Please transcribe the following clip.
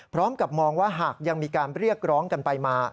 พร้อมกับมองว่าหากยังมีการเรียกร้องกันไปมา